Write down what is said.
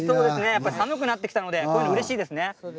やっぱり寒くなってきたのでうれしいですね。